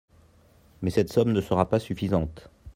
Mais cette somme ne sera pas suffisante.